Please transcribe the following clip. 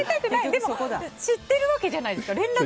でも知ってるわけじゃないですか。